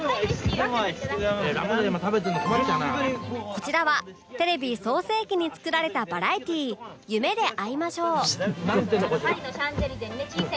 こちらはテレビ創成期に作られたバラエティー『夢であいましょう』